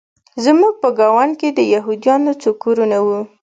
زموږ په ګاونډ کې د یهودانو څو کورونه وو